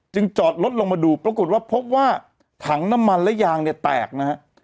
จอดรถลงมาดูปรากฏว่าพบว่าถังน้ำมันและยางเนี่ยแตกนะฮะ